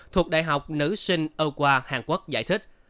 thuộc đại học nữ sinh âu qua hàn quốc giải thích